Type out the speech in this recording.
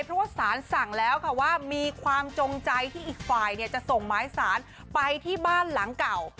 เพราะว่าสารสั่งแล้วค่ะว่ามีความจงใจที่อีกฝ่ายจะส่งหมายสารไปที่บ้านหลังเก่า